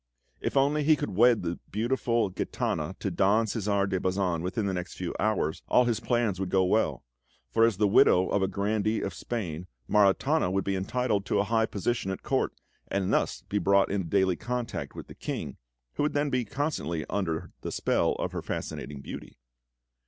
If only he could wed the beautiful Gitana to Don Cæsar de Bazan within the next few hours, all his plans would go well; for as the widow of a Grandee of Spain, Maritana would be entitled to a high position at Court, and thus be brought into daily contact with the King, who would then be constantly under the spell of her fascinating beauty.